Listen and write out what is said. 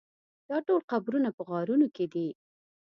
دا ټول قبرونه په غارونو کې دي.